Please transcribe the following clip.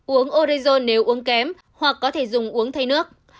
uống orezon nếu uống kém hoặc có thể dùng uống thay nước